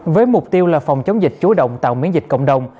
với mục tiêu là phòng chống dịch chú động tạo miễn dịch cộng đồng